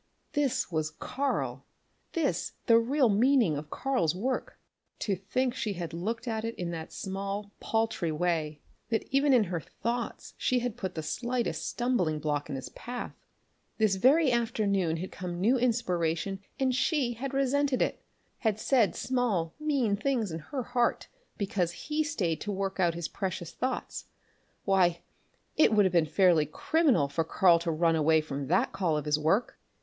This was Karl! This the real meaning of Karl's work! To think she had looked at it in that small, paltry way that even in her thoughts she had put the slightest stumbling block in his path. This very afternoon had come new inspiration and she had resented it, had said small, mean things in her heart because he stayed to work out his precious thoughts. Why, it would have been fairly criminal for Karl to run away from that call of his work!